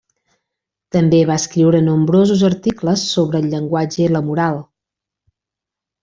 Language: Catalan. També va escriure nombrosos articles sobre el llenguatge i la moral.